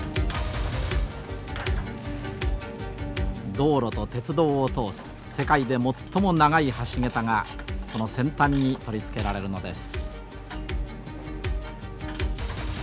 道路と鉄道を通す世界で最も長い橋桁がこの先端に取り付けられるのです。